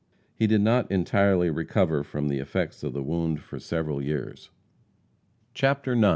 He did not entirely recover from the effects of the wound for several years. CHAPTER IX.